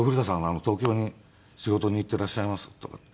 東京に仕事に行っていらっしゃいます」とか。